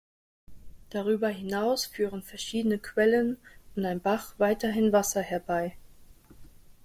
Darüber hinaus führen verschiedene Quellen und ein Bach weiterhin Wasser herbei.